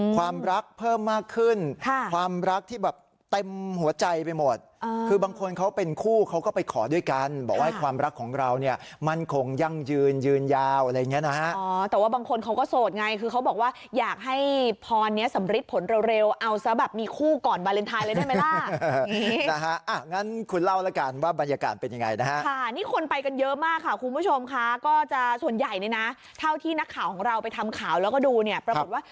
ความรักเพิ่มมากขึ้นความรักที่แบบเต็มหัวใจไปหมดคือบางคนเขาเป็นคู่เขาก็ไปขอด้วยกันบอกว่าความรักของเราเนี่ยมันคงยังยืนยืนยาวอะไรเงี้ยนะฮะอ๋อแต่ว่าบางคนเขาก็โสดไงคือเขาบอกว่าอยากให้พรเนี้ยสำริตผลเร็วเร็วเอาซะแบบมีคู่ก่อนบาเลนไทน์เลยได้ไหมล่ะนะฮะอ่ะงั้นคุณเล่าแล้วกันว่าบรรยากา